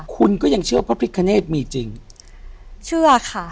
คุณก็ยังเชื่อพระพิคเนธมีจริงเชื่อค่ะ